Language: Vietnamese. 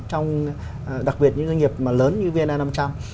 trong đặc biệt những doanh nghiệp mà lớn như vna năm trăm linh